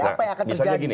apa yang akan terjadi